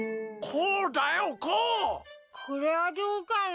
これはどうかな？